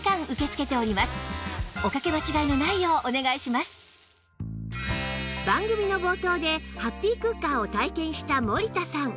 また番組の冒頭でハッピークッカーを体験した森田さん